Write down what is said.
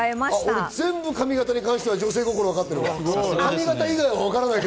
俺全部髪形に関しては女心わかってるわ。